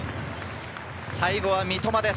最後は三笘です。